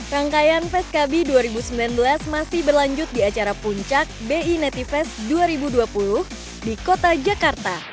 rangkaian feskabi dua ribu sembilan belas masih berlanjut di acara puncak bi nativest dua ribu dua puluh di kota jakarta